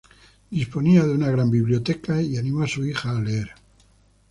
Disponía de una gran biblioteca, y animó a su hija a leer.